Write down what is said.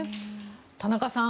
田中さん